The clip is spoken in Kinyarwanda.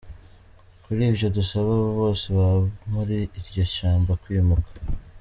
Kurivyo dusaba abo bose baba muri iryo shamba kwimuka.